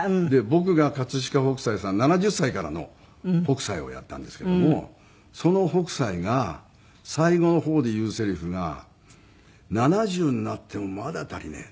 僕が飾北斎さん７０歳からの北斎をやったんですけどもその北斎が最後の方で言うせりふが「７０になってもまだ足りねえ」